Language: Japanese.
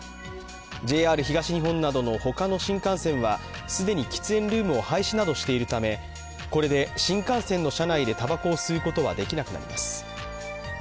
ＪＲ東日本などの他の新幹線は既に喫煙ルームを廃止などしているためこれで新幹線の車内でたばこを吸うことはできなくなります。